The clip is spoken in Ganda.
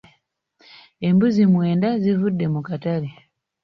Embuzi mwenda zivudde mu katale.